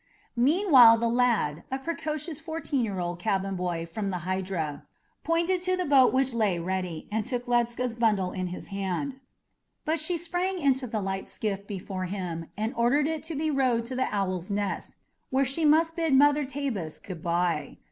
Meanwhile the lad, a precocious fourteen year old cabin boy from the Hydra, pointed to the boat which lay ready, and took Ledscha's bundle in his hand; but she sprang into the light skiff before him and ordered it to be rowed to the Owl's Nest, where she must bid Mother Tabus good bye.